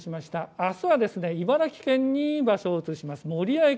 あすは茨城県に場所を移動します。